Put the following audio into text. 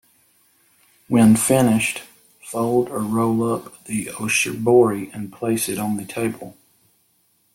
When finished, fold or roll up the oshibori and place it on the table.